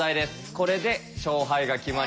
これで勝敗が決まります。